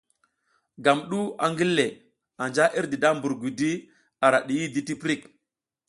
Gam du a ngille, anja irdi da mbur gudi ara diyidi ti pirik.